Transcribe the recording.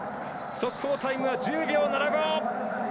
速報タイムは１０秒７５！